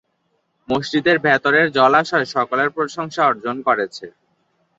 মসজিদের ভেতরের জলাশয় সকলের প্রশংসা অর্জন করেছে।